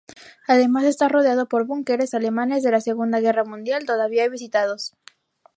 Además está rodeado por búnkeres alemanes de la Segunda Guerra Mundial todavía visitados.